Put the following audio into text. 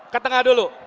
ke tengah dulu